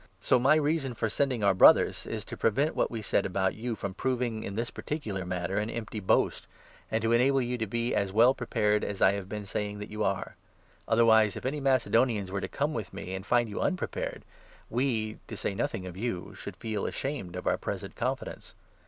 So my 3 reason for sending our Brothers is to prevent what we said about you from proving, in this particular matter, an empty boast, and to enable you to be as well prepared as I have been saying that you are. Otherwise, if any Mace 4 donians were to come with me, and find you unprepared, we — to say nothing of you — should feel ashamed of our present confidence.